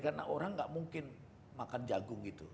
karena orang tidak mungkin makan jagung gitu